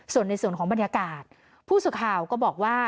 ส่วนในส่วนของบรรยากาศผู้สื่อข่าวก็บอกว่า